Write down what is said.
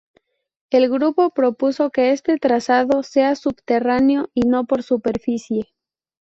El grupo propuso que este trazado sea subterráneo y no por superficie.